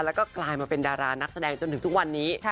แล้วก็กลายมาเป็นดารานักแสดงจนถึงทุกวันนี้